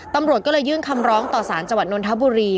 ตำรวจก็เลยยื่นคำร้องต่อสารจังหวัดนทบุรี